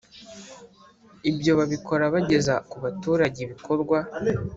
ibyo babikora bageza ku baturage ibikorwa